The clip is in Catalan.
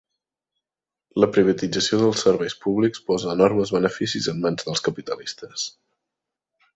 La privatització dels serveis públics posa enormes beneficis en mans dels capitalistes.